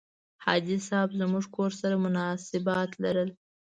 حاجي صاحب زموږ کورنۍ سره مناسبات لرل.